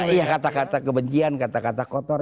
iya kata kata kebencian kata kata kotor